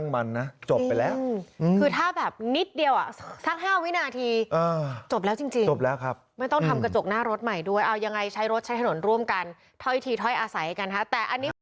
มันฟาดแล้วก็ปุ๊บแล้วเขาก็วิ่งไปข้างหลังรถเลย